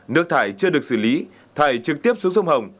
nước thải chưa được xử lý thải trực tiếp xuống sông hồng